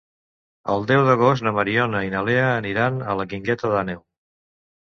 El deu d'agost na Mariona i na Lea aniran a la Guingueta d'Àneu.